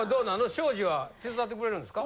庄司は手伝ってくれるんですか？